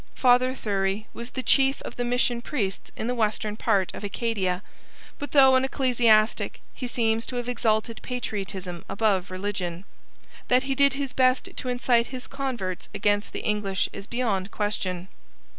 Father Thury was the chief of the mission priests in the western part of Acadia, but though an ecclesiastic he seems to have exalted patriotism above religion. That he did his best to incite his converts against the English is beyond question.